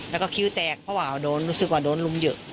แล้วก็คิ้วแตกเพราะว่าโดนรู้สึกว่าโดนลุมเยอะ